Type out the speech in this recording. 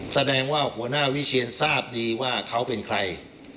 แสดงว่าหัวหน้าวิเชียนทราบดีว่าเขาเป็นใคร